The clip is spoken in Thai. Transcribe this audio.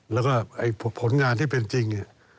แล้วก็ผลงานที่เป็นจริง